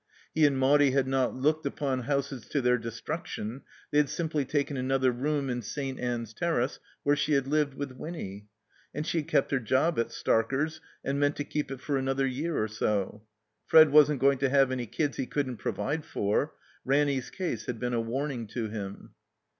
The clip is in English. He and Maudie had not looked upon houses to their destruction; they had simply taken another room in St. Ann's Terrace where she had lived with Winny. And she had kept her job at Starker's, and meant to keep it for another year or so. Fred wasn't going to have any kids he couldn't provide for. Ranny's case had been a warning to him.